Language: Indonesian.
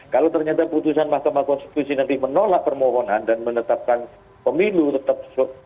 kalau ternyata putusan mahkamah konstitusi nanti menolak permohonan dan menetapkan pemilu tetap